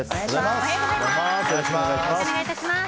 おはようございます。